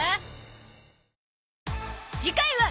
次回は